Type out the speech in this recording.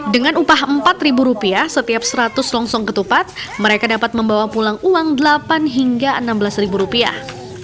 dengan upah empat ribu rupiah setiap seratus longsong ketupat mereka dapat membawa pulang uang delapan hingga enam belas ribu rupiah